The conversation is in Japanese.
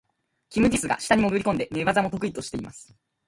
キム・ジスが下に潜り込んで、寝技も得意としています。